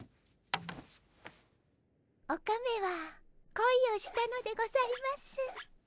オカメはこいをしたのでございます。